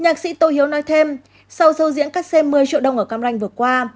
nhạc sĩ tô hiếu nói thêm sau dâu diễn cách xe một mươi triệu đồng ở cam ranh vừa qua